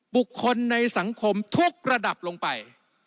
บุคคลในสังคมทุกระดับลงไป